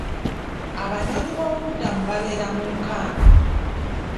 Abanoonyi b'obubuddamu babeera mu nkambi.